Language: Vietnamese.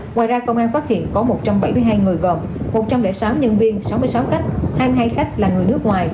ngoài ra công an phát hiện có một trăm bảy mươi hai người gồm một trăm linh sáu nhân viên sáu mươi sáu khách hai khách là người nước ngoài